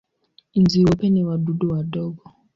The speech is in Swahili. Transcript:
Nzi weupe ni wadudu wadogo.